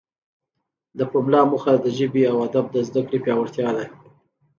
د پملا موخه د ژبې او ادب د زده کړې پیاوړتیا ده.